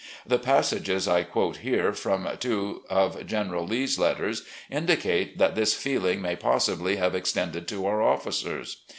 The passages I quote here from two of General Lee's letters indicate that this feeling may possibly have extended to our officers.